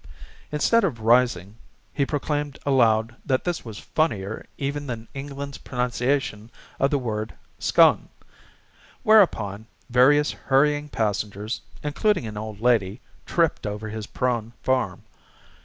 Instead of rising, he proclaimed aloud that this was funnier even than England's pronunciation of the word 'scone.' Whereupon various hurrying passengers, including an old lady, tripped over his prone form.